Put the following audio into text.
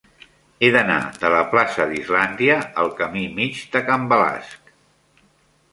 He d'anar de la plaça d'Islàndia al camí Mig de Can Balasc.